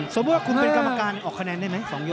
สมมุติว่าคุณเป็นกรรมการออกคะแนนได้ไหม